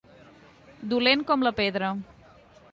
Dolent com la pedra.